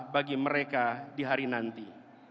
bagi mereka di hari nanti